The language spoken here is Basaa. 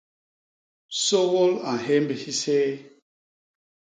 Sôgôl a nhémb hiséé.